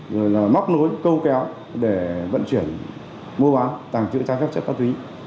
rồi là móc nối câu kéo để vận chuyển mua bán tàng trữ trái phép chất ma túy